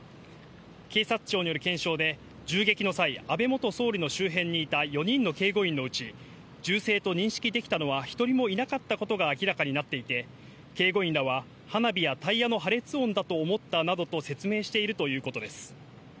警察庁による検証で、銃撃の際、安倍元総理の周辺にいた４人の警護員のうち、銃声と認識できたのは１人もいなかったことが明らかになっていて、警護員側らは花火やタイヤの破裂音だと思ったなどと説明しているということです。